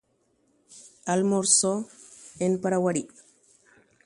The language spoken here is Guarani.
Okaruʼimíkuri Paraguarípe.